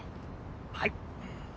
はい。